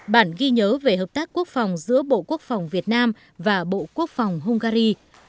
bản ghi nhớ về hợp tác quốc phòng giữa bộ quốc phòng việt nam và bộ quốc phòng hungary